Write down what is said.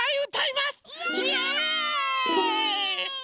イエーイ！